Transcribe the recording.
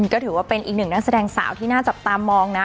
ก็ถือว่าเป็นอีกหนึ่งนักแสดงสาวที่น่าจับตามองนะ